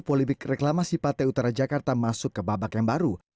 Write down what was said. politik reklamasi pantai utara jakarta masuk ke babak yang baru